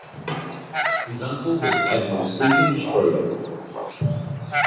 His uncle was Admiral Seaton Schroeder.